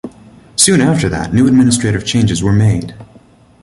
Soon after that, new administrative changes were made.